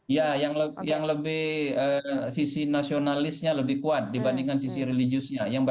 ya yang lebih sisi nasionalisnya lebih kuat dibandingkan sisi religiusnya